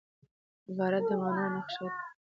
عبارت د مانا نخښه ده.